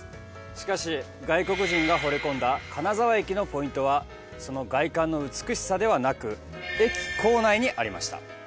しかし、外国人が惚れ込んだ金沢駅のポイントはその外観の美しさではなく駅構内にありました。